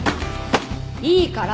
いいから。